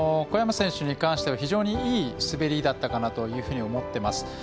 小山選手に関しては非常にいい滑りだったかなと思っています。